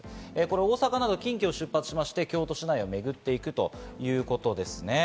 大阪など近畿を出発して、京都市内をめぐっていくということですね。